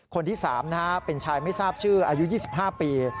คนที่๓เป็นชายไม่ทราบชื่ออายุ๒๕ปี